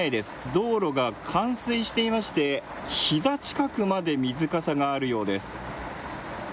道路が冠水していましてひざ近くまで水かさがあるようです。